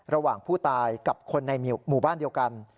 ระหว่างผู้ตายกับคนในหมู่บ้านเดียวกัน